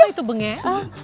apa itu bengek